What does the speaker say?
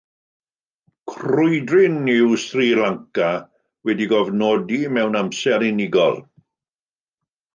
Crwydryn yw Sri Lanka, wedi ei gofnodi mewn amser unigol.